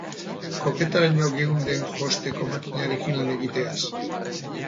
Kopetaraino geunden josteko makinarekin lan egiteaz.